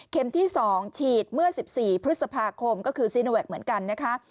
ที่๒ฉีดเมื่อ๑๔พฤษภาคมก็คือซีโนแวคเหมือนกันนะคะ